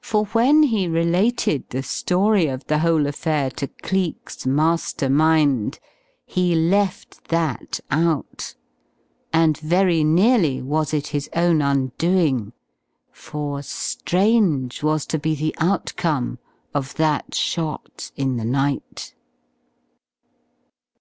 For when he related the story of the whole affair to Cleek's master mind he left that out! And very nearly was it his own undoing, for strange was to be the outcome of that shot in the night.